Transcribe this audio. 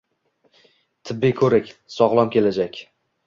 Tibbiy ko‘rik — sog‘lom kelajak